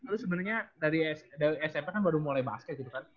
lalu sebenarnya dari smp kan baru mulai basket gitu kan